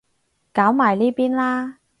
搞埋呢邊啦